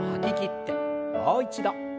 もう一度。